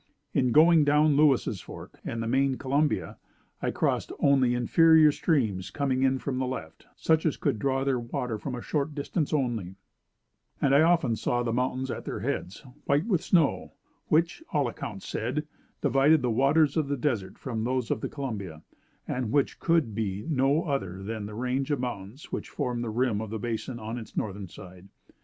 In going down Lewis's Fork and the main Columbia, I crossed only inferior streams coming in from the left, such as could draw their water from a short distance only; and I often saw the mountains at their heads, white with snow; which, all accounts said, divided the waters of the desert from those of the Columbia, and which could be no other than the range of mountains which form the rim of the Basin on its northern side.